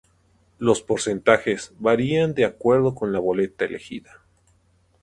Los porcentajes varían de acuerdo con la boleta elegida.